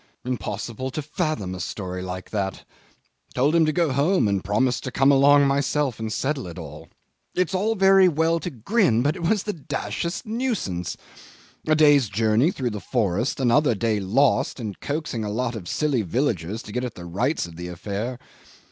Impossible to fathom a story like that; told him to go home, and promised to come along myself and settle it all. It's all very well to grin, but it was the dashedest nuisance! A day's journey through the forest, another day lost in coaxing a lot of silly villagers to get at the rights of the affair.